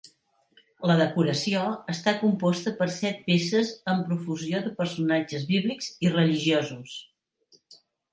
La decoració està composta per set peces amb profusió de personatges bíblics i religiosos.